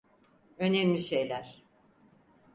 Önemli şeyler.